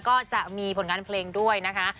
ก็จะมีผลงานเพลงด้วยนะคะ